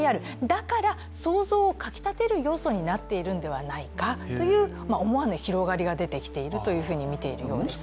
だから、想像をかき立てる要素になっているんではないかと思わぬ広がりが出てきていると見ているようです。